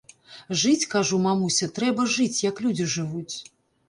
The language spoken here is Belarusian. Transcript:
Жыць, кажу, мамуся, трэба, жыць, як людзі жывуць.